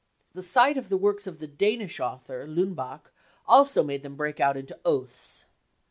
The sight of the works of the Danish doctor Leunbach also made them break out into oaths.